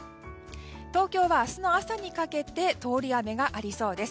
東京は明日の朝にかけて通り雨がありそうです。